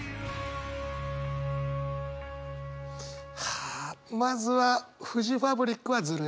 はあまずはフジファブリックはずるい。